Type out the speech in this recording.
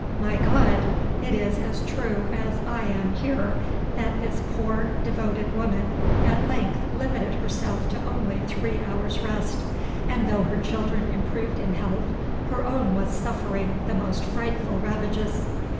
My God! It is as true as I am here, that this poor, devoted woman at length limited herself to only three hours' rest; and though her children improved in health, her own was suffering the most frightful ravages.